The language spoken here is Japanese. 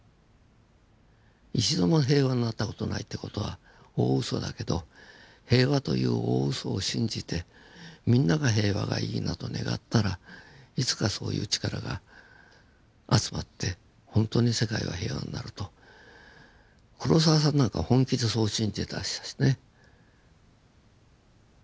一度も平和になった事ないって事は大ウソだけど平和という大ウソを信じてみんなが平和がいいなと願ったらいつかそういう力が集まってほんとに世界は平和になると黒澤さんなんかは本気でそう信じてたしね。